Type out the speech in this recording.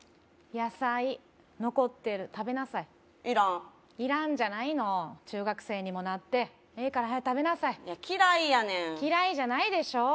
野菜残ってる食べなさいいらんいらんじゃないの中学生にもなっていいから早く食べなさい嫌いやねん嫌いじゃないでしょう